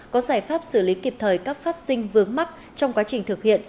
có giải pháp xử lý kịp thời các phát sinh vướng mắt trong quá trình thực hiện